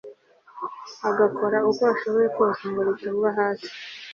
agakora uko ashoboye kose ngo ritagwa hasi